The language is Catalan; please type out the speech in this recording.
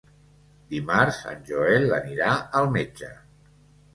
Dimarts en Joel anirà al metge.